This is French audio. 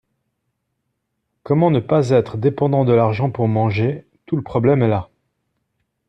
Comment ne pas être dépendant de l'argent pour manger, tout le problème est là.